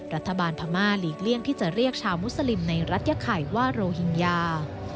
พม่าหลีกเลี่ยงที่จะเรียกชาวมุสลิมในรัฐยะไข่ว่าโรฮิงญา